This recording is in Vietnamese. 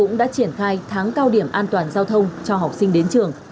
giao điểm an toàn giao thông cho học sinh đến trường